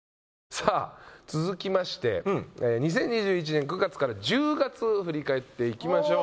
さぁ続きまして２０２１年９月から１０月振り返っていきましょう。